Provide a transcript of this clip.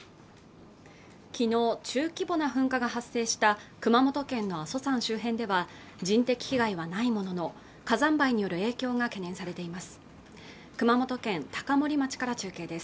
昨日、中規模な噴火が発生した熊本県の阿蘇山周辺では人的被害はないものの火山灰による影響が懸念されています